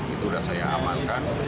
itu sudah saya amankan